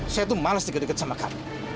saya tuh males deket deket sama kamu